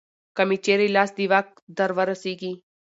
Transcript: که مې چېرې لاس د واک درورسېږي